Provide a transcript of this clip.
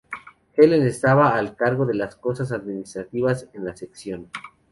Helen estaba al cargo de las cosas administrativas en la sección.